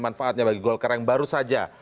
manfaatnya bagi golkar yang baru saja